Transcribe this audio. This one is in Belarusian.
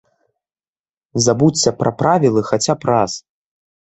Забудзься пра правілы хаця б раз.